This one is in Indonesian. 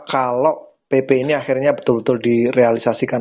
kalau pp ini akhirnya betul betul direalisasikan